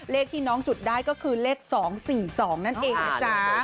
เลขที่น้องจุดได้ก็คือเลข๒๔๒นั่นเองนะจ๊ะ